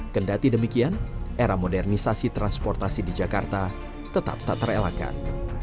kendati demikian era modernisasi transportasi di jakarta tetap tak terelakkan